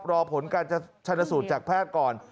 รอผลการชนสูตรจากแพทย์ก่อน